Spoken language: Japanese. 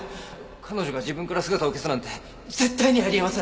彼女が自分から姿を消すなんて絶対にあり得ません！